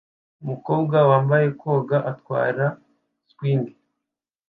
Umukobwa wambaye koga atwara swing